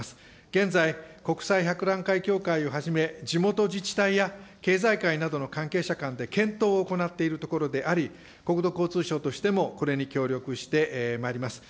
現在、国際博覧会協会をはじめ、地元自治体や経済界などの関係者間で、検討を行っているところであり、国土交通省としてもこれに協力してまいります。